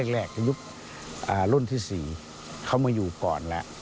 สรุปแรกของยุคลุ่นที่๔มาอยู่ก่อน